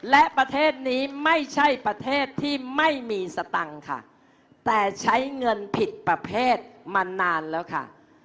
และประเทศนี้ไม่ใช่ประเทศที่ไม่มีสตังค์ค่ะแต่ใช้เงินผิดประเภทมานานแล้วค่ะ